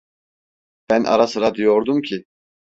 Ben ara sıra diyordum ki: